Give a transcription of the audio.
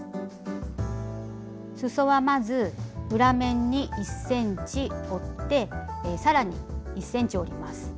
すそはまず裏面に１ｃｍ折って更に１ｃｍ折ります。